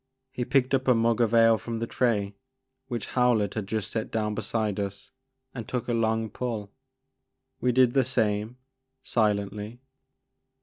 He picked up a mug of ale from the tray which Howlett had just set down beside us and took a long pull. We did the same, silently.